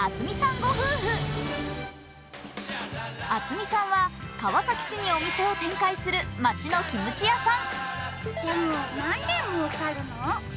渥美さんは川崎市にお店を展開する街のキムチ屋さん。